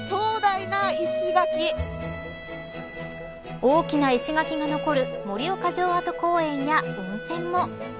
大きな石垣が残る盛岡城跡公園や温泉も。